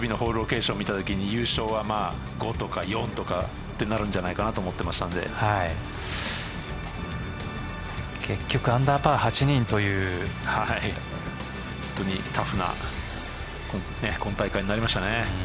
最終日のホールロケーションを見たときに優勝は５とか４とかになるんじゃないかなと思っていたんで結局アンダーパー、８人という本当にタフな本大会になりましたね。